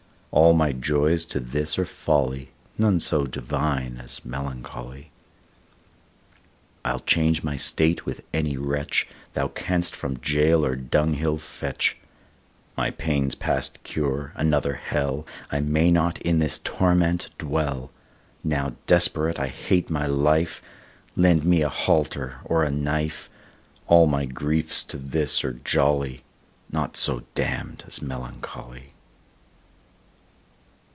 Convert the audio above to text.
All my joys to this are folly, None so divine as melancholy. I'll change my state with any wretch, Thou canst from gaol or dunghill fetch; My pain's past cure, another hell, I may not in this torment dwell! Now desperate I hate my life, Lend me a halter or a knife; All my griefs to this are jolly, Naught so damn'd as melancholy.